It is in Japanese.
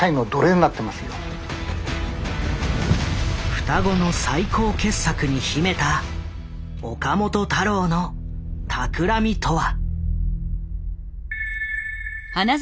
双子の最高傑作に秘めた岡本太郎の企みとは。